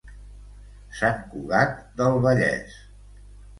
Sant Cugat del Vallès.